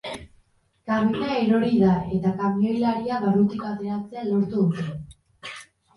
Kabina erori da, eta kamioilaria barrutik ateratzea lortu dute.